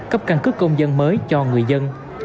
cấp căn cước công dân mới cho người dân